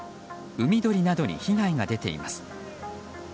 海鳥などに被害が出ています。